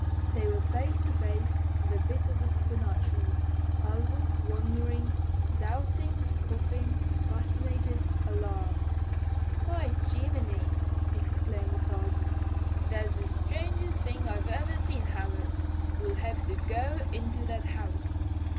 They were face to face with a bit of the supernatural, puzzled, wondering, doubting, scoffing, fascinated, alarmed. "By Jiminy!" exclaimed the Sergeant. "That's the strangest thing I've ever seen, Howard. We'll have to go into that house."